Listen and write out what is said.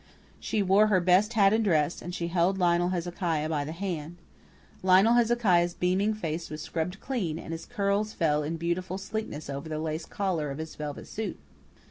She wore her best hat and dress, and she held Lionel Hezekiah by the hand. Lionel Hezekiah's beaming face was scrubbed clean, and his curls fell in beautiful sleekness over the lace collar of his velvet suit.